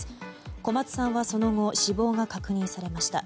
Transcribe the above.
小松さんはその後死亡が確認されました。